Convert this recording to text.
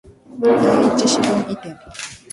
第一四分位点